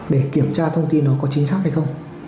để kiểm tra thông tin nó có chính xác hay không